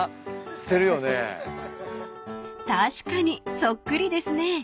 ［確かにそっくりですね］